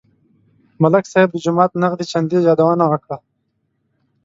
ملک صاحب د جومات نغدې چندې یادونه وکړه.